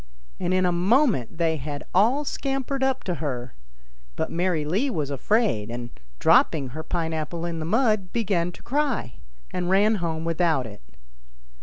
And in a moment they had all scampered up to her ; but Mary Lee was afraid, and, dropping her pine apple in the mud, began to cry, and ran home without it.